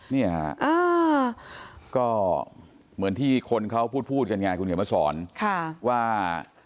นี่ครับก็เหมือนที่คนเขาพูดเกิดมาสอนว่า